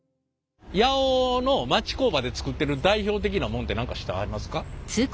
八尾の町工場で作ってる代表的なもんって何か知ってはりますか？